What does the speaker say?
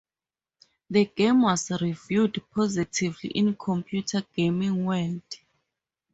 The game was reviewed positively in "Computer Gaming World".